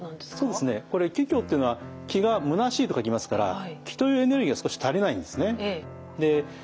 そうですね気虚っていうのは気が虚しいと書きますから気というエネルギーが少し足りないんですね。